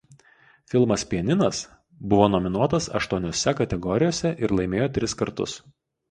Filmas "„Pianinas“" buvo nominuotas aštuoniose kategorijose ir laimėjo tris kartus.